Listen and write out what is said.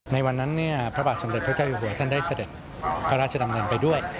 ในวันนั้นพระบาทสมเด็จพระเจ้าอยู่หัวท่านได้เสด็จพระราชดำเนินไปด้วย